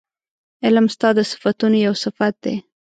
علم ستا د صفتونو یو صفت دی